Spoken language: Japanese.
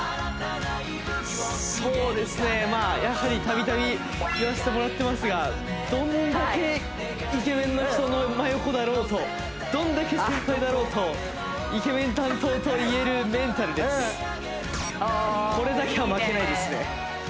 そうですねやはりたびたび言わせてもらってますがどんだけイケメンの人の真横だろうとどんだけ先輩だろうとおおいいねこれだけは負けないですね